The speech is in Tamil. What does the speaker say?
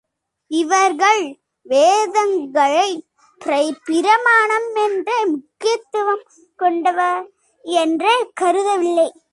இவர்கள் வேதங்களைப் பிரமாணம் என்றே, முக்கியத்துவம் கொண்டவையென்றே கருதவில்லை.